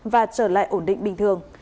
và trở lại ổn định bình thường